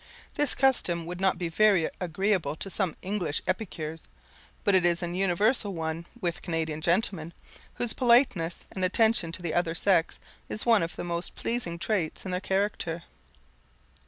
This custom would not be very agreeable to some English epicures, but it is an universal one with Canadian gentlemen, whose politeness and attention to the other sex is one of the most pleasing traits in their character.